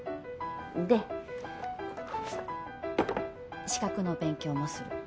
で資格の勉強もする。